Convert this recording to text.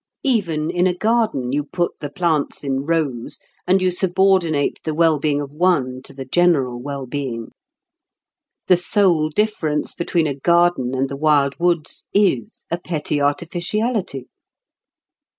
Even in a garden you put the plants in rows, and you subordinate the well being of one to the general well being. The sole difference between a garden and the wild woods is a petty artificiality.